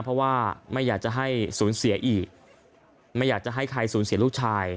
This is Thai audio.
เพราะว่าไม่อยากจะให้สูญเสียอีกไม่อยากจะให้ใครสูญเสียลูกชาย